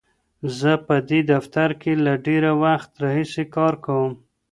زه په دې دفتر کې له ډېر وخت راهیسې کار کوم.